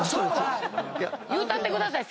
言うたってください。